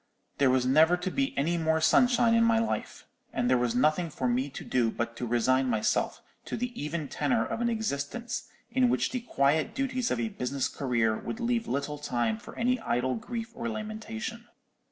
There was never to be any more sunshine in my life: and there was nothing for me to do but to resign myself to the even tenor of an existence in which the quiet duties of a business career would leave little time for any idle grief or lamentation.